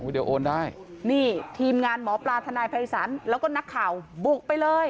เดี๋ยวโอนได้นี่ทีมงานหมอปลาทนายภัยศาลแล้วก็นักข่าวบุกไปเลย